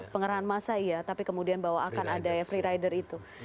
pengerahan masa iya tapi kemudian bahwa akan ada free rider itu